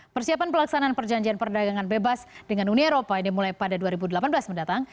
persiapan pelaksanaan perjanjian perdagangan bebas dengan uni eropa yang dimulai pada dua ribu delapan belas mendatang